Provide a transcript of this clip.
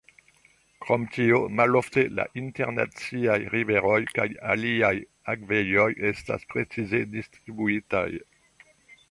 Krom tio malofte la internaciaj riveroj kaj aliaj akvejoj estas precize distribuitaj.